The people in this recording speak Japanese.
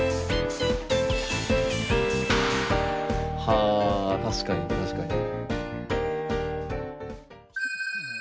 はあ確かに確かに。